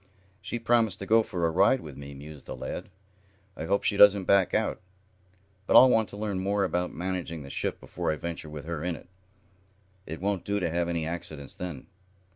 "She promised to go for a ride with me," mused the lad. "I hope she doesn't back out. But I'll want to learn more about managing the ship before I venture with her in it. It won't do to have any accidents then.